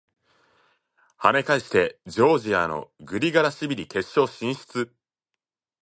跳ね返してジョージアのグリガラシビリ決勝進出！